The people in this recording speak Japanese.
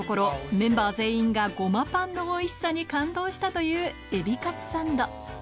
メンバー全員がゴマパンのおいしさに感動したというエビカツサンドいいですね